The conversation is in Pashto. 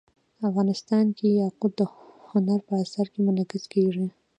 افغانستان کې یاقوت د هنر په اثار کې منعکس کېږي.